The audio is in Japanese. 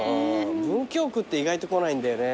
文京区って意外と来ないんだよね。